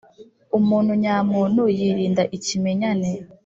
Umuntu nyamuntu yirinda ikimenyane.